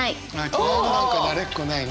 「嫌いになんかなれっこない」ね。